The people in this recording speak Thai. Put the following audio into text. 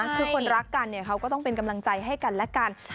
คือคนรักกันเขาก็ต้องเป็นกำลังใจให้กันและกัน